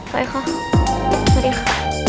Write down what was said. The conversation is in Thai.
ไปค่ะสวัสดีค่ะ